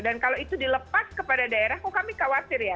dan kalau itu dilepas kepada daerah kami khawatir ya